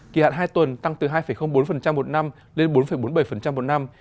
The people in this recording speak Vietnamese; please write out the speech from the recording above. kỳ hạn hai tuần tăng từ hai bốn một năm lên bốn bốn mươi bảy một năm